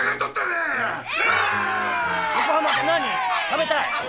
食べたい！何？